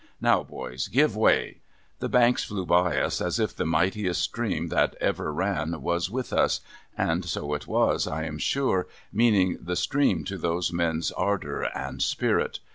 Now, boys, give way !' The banks flew by us as if the mightiest stream that ever ran was with us; and so it was, I am sure, meaning the stream to those men's ardour and spirit.